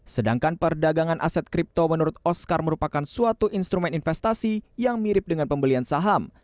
sedangkan perdagangan aset kripto menurut oscar merupakan suatu instrumen investasi yang mirip dengan pembelian saham